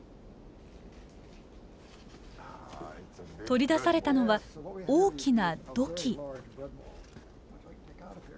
取り出されたのは大きな土器。